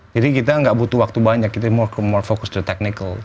jadi kita gak butuh waktu banyak kita more focus to technical